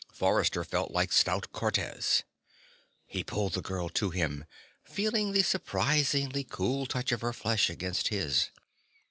Forrester felt like stout Cortez. He pulled the girl to him, feeling the surprisingly cool touch of her flesh against his.